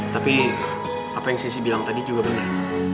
tapi apa yang sissy bilang tadi juga bener